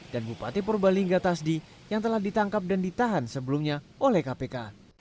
dan bupati purbalingga tasdi yang telah ditangkap dan ditahan sebelumnya oleh kpk